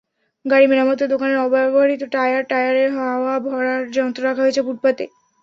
গাড়ি মেরামতের দোকানের অব্যবহৃত টায়ার, টায়ারে হাওয়া ভরার যন্ত্র রাখা হয়েছে ফুটপাতে।